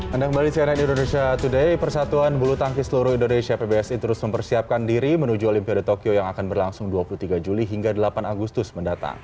anda kembali di cnn indonesia today persatuan bulu tangki seluruh indonesia pbsi terus mempersiapkan diri menuju olimpiade tokyo yang akan berlangsung dua puluh tiga juli hingga delapan agustus mendatang